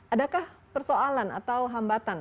adakah persoalan atau hambatan